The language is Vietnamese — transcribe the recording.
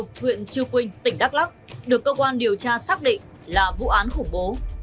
nguyện chư quynh tỉnh đắk lắk được cơ quan điều tra xác định là vụ án khủng bố